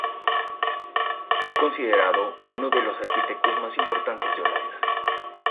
Es considerado uno de los arquitectos más importantes de Holanda.